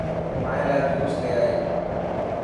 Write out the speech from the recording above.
مائي لا جوس لي اي.